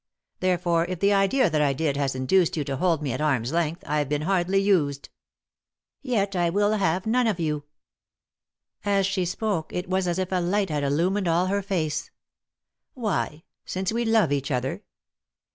Therefore, if the idea that I did has induced you to hold me at arm's length, I've been hardly used." " Yet I will have none of you." As she spoke it was as if a light had illumined all her face. " Why ?— Since we love each other